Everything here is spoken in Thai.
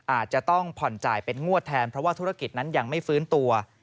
อาจจะต้องผ่อนจ่ายเป็นงวดแทนเพราะว่าธุรกิจนั้นยังไม่ฟื้นตัว